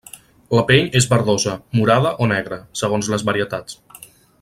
La pell és verdosa, morada o negra, segons les varietats.